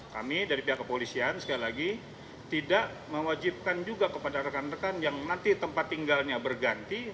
kami dari pihak kepolisian sekali lagi tidak mewajibkan juga kepada rekan rekan yang nanti tempat tinggalnya berganti